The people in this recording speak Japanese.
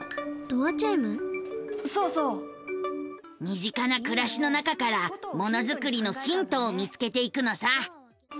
身近な暮らしの中からものづくりのヒントを見つけていくのさ。